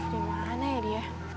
dimana ya dia